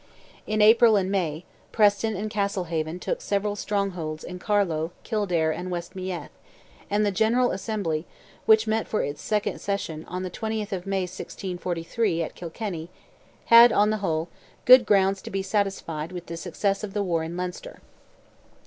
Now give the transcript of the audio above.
In April and May, Preston and Castlehaven took several strongholds in Carlow, Kildare, and West Meath, and the General Assembly, which met for its second session, on the 20th of May, 1643, at Kilkenny, had, on the whole, good grounds to be satisfied with the success of the war in Leinster.